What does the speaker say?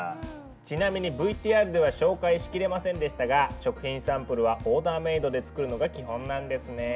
ちなみにＶＴＲでは紹介しきれませんでしたが食品サンプルはオーダーメードで作るのが基本なんですね。